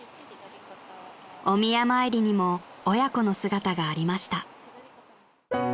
［お宮参りにも親子の姿がありました］